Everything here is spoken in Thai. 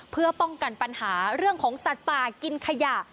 เพื่อป้องกันปัญหาเรื่องของสัตว์ป่ากินขยะ